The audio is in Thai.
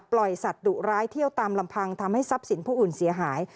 สัตว์ดุร้ายเที่ยวตามลำพังทำให้ทรัพย์สินผู้อื่นเสียหาย